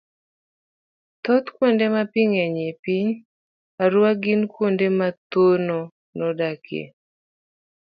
thoth kuonde ma pi ng'enyie e piny Arua gin kuonde ma dhano odakie.